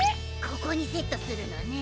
ここにセットするのね。